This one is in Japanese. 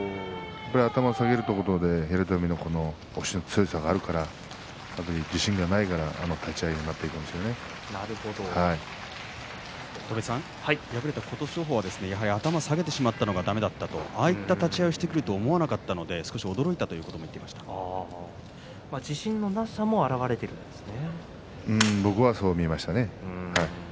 頭を下げるということで平戸海の押しの強さがあるから自信がないから、あの立ち合いに敗れた琴勝峰はやはり頭を下げてしまったのがだめだったとああいった立ち合いをしてくると思わなかったので少し驚いたと自信のなさも僕はそう見えましたね。